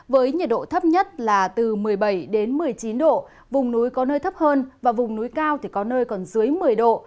với nhiệt độ thấp nhất là từ một mươi bảy đến một mươi chín độ vùng núi có nơi thấp hơn và vùng núi cao thì có nơi còn dưới một mươi độ